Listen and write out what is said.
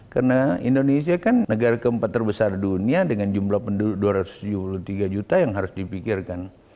karena indonesia kan negara keempat terbesar dunia dengan jumlah penduduk dua ratus tujuh puluh tiga juta yang harus dipikirkan